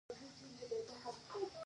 د واردې شمیره تر مکتوب لاندې وي.